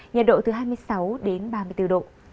nhiệt độ từ hai mươi sáu đến ba mươi bốn độ